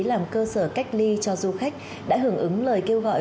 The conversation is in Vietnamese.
làm cơ sở cách ly cho du khách đã hưởng ứng lời kêu gọi